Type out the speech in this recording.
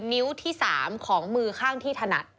นิ้วที่๓ของมือข้างที่ถนัด